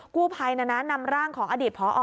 กู้ภัยนั้นนำร่างของอดีตพอออ